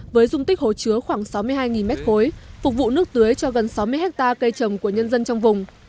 với dung tích hồ chứa khoảng sáu mươi hai m ba phục vụ nước tưới cho gần sáu mươi hectare cây trồng của nhân dân trong vùng